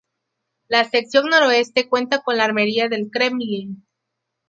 La sección noroeste cuenta con la Armería del Kremlin.